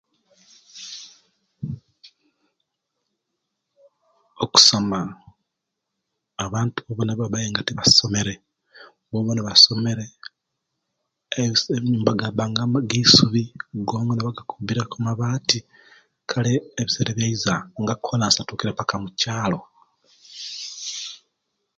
Okusoma abantu bonabona abaire nga tibasomere bobana basomere aye amanyumba gabanga geisubi gogona bagakubire ku amabati kale ebisera ebiza nga kolansi atukire paka mukyalo